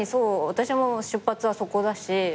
私も出発はそこだし。